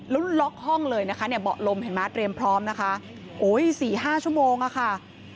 แล้วล็อกห้องเลยนะคะเนี่ยเบาะลมเห็นไหมเตรียมพร้อมนะคะโอ้ย๔๕ชั่วโมงอะค่ะ